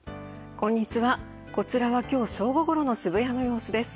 こちらは正午ごろの渋谷の様子です。